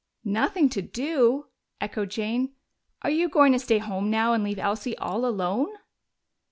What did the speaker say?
"Nothing to do?" echoed Jane. "Are you going to stay home now and leave Elsie all alone?"